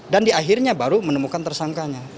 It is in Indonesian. di akhirnya baru menemukan tersangkanya